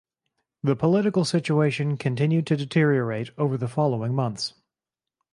The political situation continued to deteriorate over the following months.